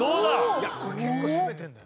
いやこれ結構攻めてんだよ。